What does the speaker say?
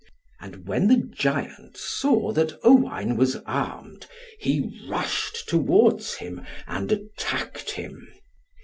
And when the giant saw that Owain was armed, he rushed towards him, and attacked him.